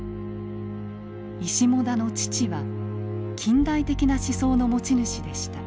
石母田の父は「近代的」な思想の持ち主でした。